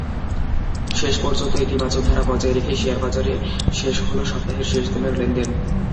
শেষ পর্যন্ত ইতিবাচক ধারা বজায় রেখেই শেয়ারবাজারে শেষ হলো সপ্তাহের শেষ দিনের লেনদেন।